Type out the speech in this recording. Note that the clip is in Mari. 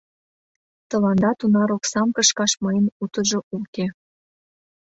Тыланда тунар оксам кышкаш мыйын утыжо уке.